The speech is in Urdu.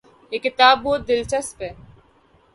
یہ کتاب بہت دلچسپ ہے